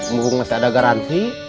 mumpung masih ada garansi